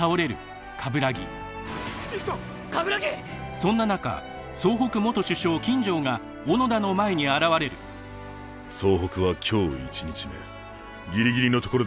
そんな中総北元主将金城が小野田の前に現れる総北は今日１日目ギリギリのところで機を逃した。